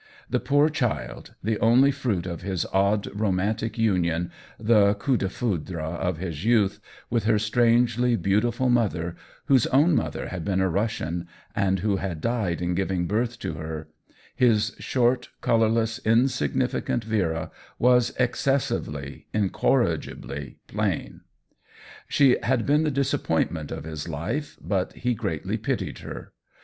The poor child, the only fruit of his odd, romantic union, the coup defoudie of his youth, with her strangely beautiful mother, whose own mother had been a Rus sian, and who had died in giving birth to her — his short, colorless, insignificant Vera was excessively, incorrigibly plain. She had been the disappointment of his life, but he greatly pitied her.